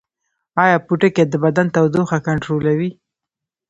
ایا پوټکی د بدن تودوخه کنټرولوي؟